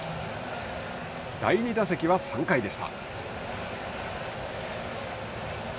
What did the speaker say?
第２打席は３回でした。